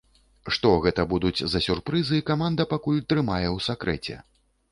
Што гэта будуць за сюрпрызы, каманда пакуль трымае ў сакрэце.